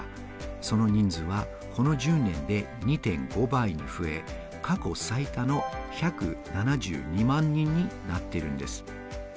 その人数はこの１０年で２．５倍に増え、過去最多の１７２万人になっているんです。